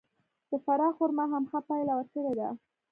د فراه خرما هم ښه پایله ورکړې ده.